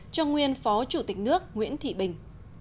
cho nguyên phó chủ tịch nước nguyễn thị bình